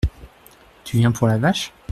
Tu viens pour la vache ?